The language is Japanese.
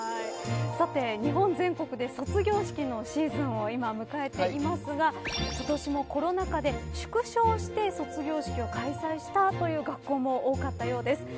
さて日本全国で卒業式のシーズンを今迎えていますが今年もコロナ禍で縮小して卒業式を開催したという学校も多かったようです。